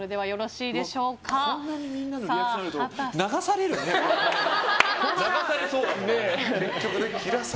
これだけみんなのリアクションがあると流されそうだね。